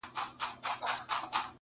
نه وي عشق کي دوې هواوي او یو بامه,